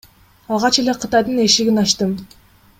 Алгач эле Кытайдын эшигин ачтым.